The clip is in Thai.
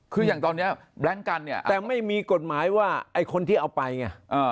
คืออย่างตอนนี้แบล็งกันเนี่ยแต่ไม่มีกฎหมายว่าไอ้คนที่เอาไปไง